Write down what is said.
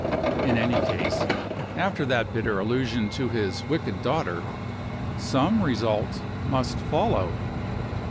In any case, after that bitter allusion to his "wicked daughter" some result must follow.